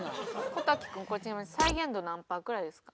小瀧くんこれちなみに再現度何パーくらいですか？